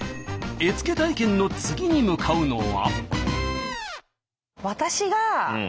絵付け体験の次に向かうのは？